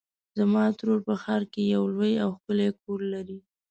زما ترور په ښار کې یو لوی او ښکلی کور لري.